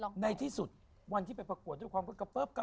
ในที่สุดวันที่ไปปรากวดด้วยความเพ้อ๊บ